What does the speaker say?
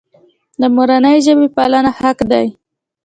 د مورنۍ ژبې پالنه حق دی.